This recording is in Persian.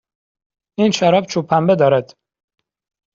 این شراب چوب پنبه دارد.